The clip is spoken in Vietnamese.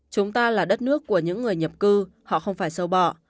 chúng ta là đất nước của những người nhập cư họ không phải sâu bỏ